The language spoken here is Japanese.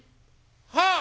「はあ？